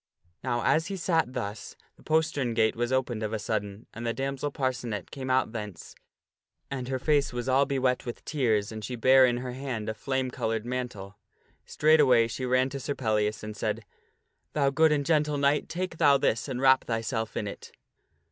Now, as he sat thus, the postern gate was opened of a sudden, and the damsel Parcenet came out thence. And her face was all be wet with tears, and she bare in her hand a flame colored p ar cenet brin mantle. Straightway she ran to Sir Pellias, and said, " Thou '%" to sir good and gentle knight, take thou this and wrap thyself in it."